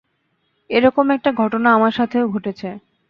এরকম একটা ঘটনা আমার সাথেও ঘটেছে!